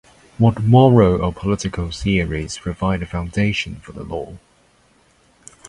What moral or political theories provide a foundation for the law?